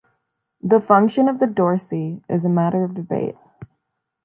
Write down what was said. The function of the Dorsey is a matter of debate.